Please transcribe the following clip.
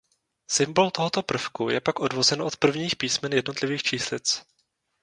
Symbol tohoto prvku je pak odvozen od prvních písmen jednotlivých číslic.